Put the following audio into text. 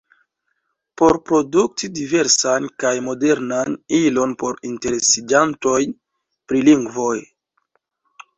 Por produkti diversan kaj modernan ilon por interesiĝantoj pri lingvoj.